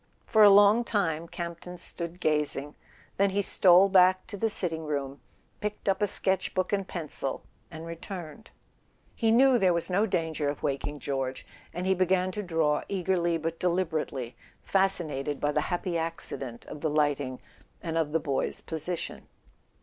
For a long time Campton stood gazing; then he stole back to the sitting room, picked up a sketch book and pencil and returned. He knew there was no danger of waking George, and he began to draw, eagerly but deliberately, fascinated by the happy accident of the lighting, and of the boy's position.